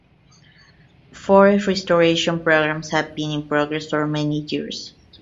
Forest restoration programs have been in progress for many years.